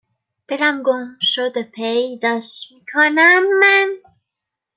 دلم گمشده پیداش میکنم من